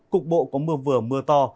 cục bộ có mưa vừa mưa to